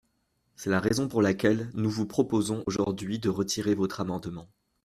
C’est la raison pour laquelle nous vous proposons aujourd’hui de retirer votre amendement.